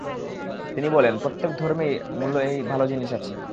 তিনি বলেন, প্রত্যেক ধর্মের মূলেই ভাল জিনিষ আছে।